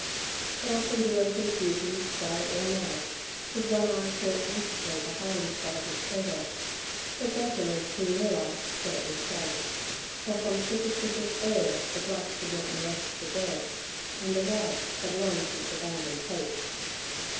But often during his duties day or night his one eye sought anxiously the hiding spot of his treasure, till gradually he realized that it was safe; for from superstitious awe the blacks would not molest the dead, and the whites had long since abandoned hope.